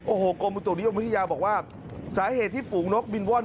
โอ้โหกรมอุตุนิยมวิทยาบอกว่าสาเหตุที่ฝูงนกบินว่อน